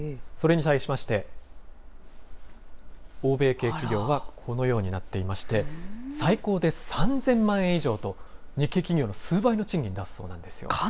それに対しまして、欧米系企業はこのようになっていまして、最高で３０００万円以上と、日系企業の数倍の賃金を出すそうなんですよ。